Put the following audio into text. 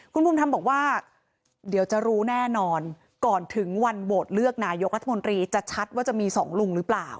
คุณภูมิธรรมบอกว่าเดี๋ยวจะรู้แน่นอนก่อนถึงวันโหวตเลือกนายกรัฐมนตรีจะชัดว่าจะมีสองลุงหรือเปล่า